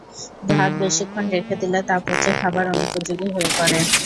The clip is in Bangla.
ভাত বেশিক্ষণ রেখে দিলে তা পচে খাবার অনুপযোগী হয়ে পড়ে।